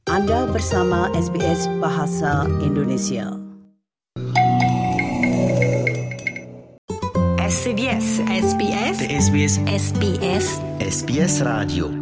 anda bersama sbs bahasa indonesia